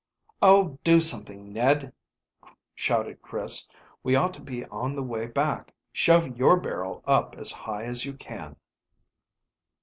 "Oh, do something, Ned," shouted Chris. "We ought to be on the way back. Shove your barrel up as high as you can."